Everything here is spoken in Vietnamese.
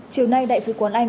chiều nay đại sứ quán anh